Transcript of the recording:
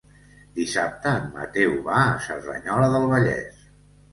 Dissabte en Mateu va a Cerdanyola del Vallès.